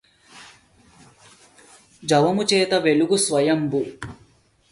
జవముచేత వెలుగు సైంధవంబు